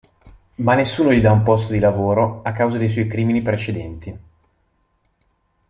Ma nessuno gli dà un posto di lavoro a causa dei suoi crimini precedenti.